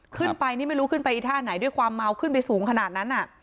ขึ้นไปนี่ไม่รู้ขึ้นไปอีท่าไหนด้วยความเมาขึ้นไปสูงขนาดนั้น